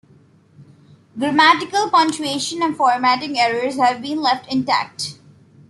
Grammatical, punctuation and formatting errors have been left intact.